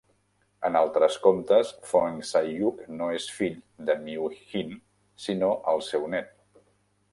En altres comptes, Fong Sai-yuk no és el fill de Miu Hin sinó el seu nét.